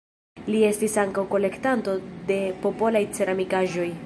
Li estis ankaŭ kolektanto de popolaj ceramikaĵoj.